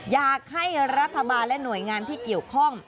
อยากให้รัฐบาลและหน่วยงานที่เกี่ยวข้อง